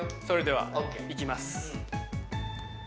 それではいきます